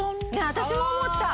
私も思った！